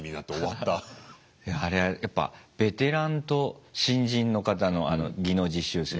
あれやっぱベテランと新人の方のあの技能実習生。